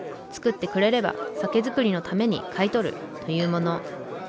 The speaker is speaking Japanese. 作ってくれれば酒造りのために買い取る」というもの。